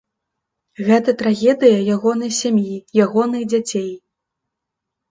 Гэта трагедыя ягонай сям'і, ягоных дзяцей.